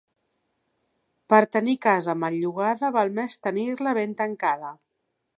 Per tenir casa mal llogada, val més tenir-la ben tancada.